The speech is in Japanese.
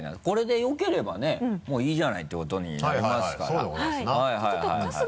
これで良ければねもういいじゃないってことになりますからね。